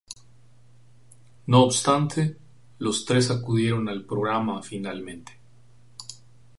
No obstante, los tres acudieron al programa finalmente.